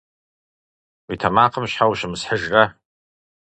Уи тэмакъым щхьэ ущымысхьыжрэ?